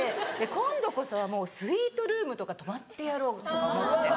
今度こそはもうスイートルームとか泊まってやろうとか思って。